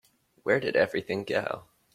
Where did everything go?